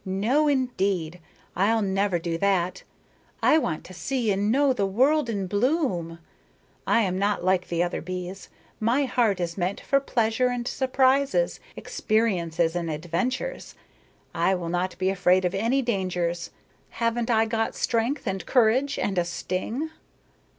No, indeed, I'll never do that. I want to see and know the world in bloom. I am not like the other bees, my heart is meant for pleasure and surprises, experiences and adventures. I will not be afraid of any dangers. Haven't I got strength and courage and a sting?"